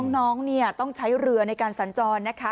น้องต้องใช้เรือในการสัญจรนะคะ